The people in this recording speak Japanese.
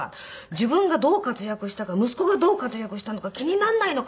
自分がどう活躍したか息子がどう活躍したのか気にならないのか？